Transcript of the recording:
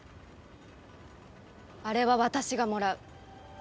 あれは私がもらう。